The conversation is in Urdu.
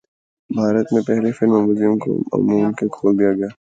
بھارت میں پہلے فلم میوزیم کو عوام کے لیے کھول دیا گیا